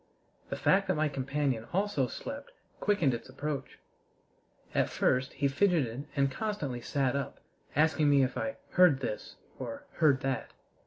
The fact that my companion also slept quickened its approach. At first he fidgeted and constantly sat up, asking me if I "heard this" or "heard that."